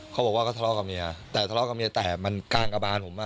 เขาบอกว่าก็ทะเลาะกับเมียแต่ทะเลาะกับเมียแต่มันกลางกระบานผมอ่ะ